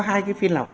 hai cái phiên lọc